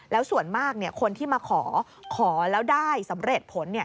แล้วส่วนมากคนที่มาขอขอแล้วได้สำเร็จผล